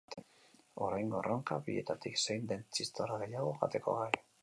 Oraingo erronka, bietatik zein den txistorra gehiago jateko gai.